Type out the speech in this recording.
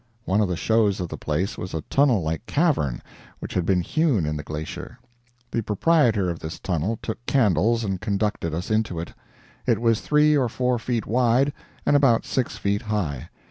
One of the shows of the place was a tunnel like cavern, which had been hewn in the glacier. The proprietor of this tunnel took candles and conducted us into it. It was three or four feet wide and about six feet high.